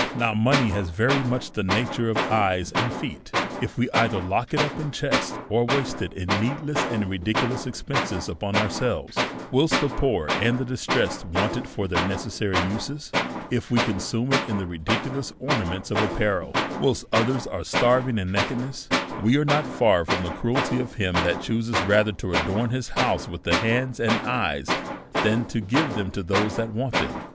Now, money has very much the nature of eyes and feet ; if we either lock it up in chests, or Avaste it in needless and ridiculous expenses upon ourselves, whilst the poor and the distressed want it for their necessary uses ; if we consume it in the ridiculous or naments of apparel^ while others are starving in na 58 A SERIOUS CALL TO A kedness, we are not far from the cruelty of him that chooses rather to adorn his house witli the hands and eyes than to give them to those that want them.